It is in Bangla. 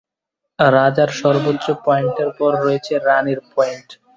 রাজার সর্বোচ্চ পয়েন্টের পরে রয়েছে রানির পয়েন্ট।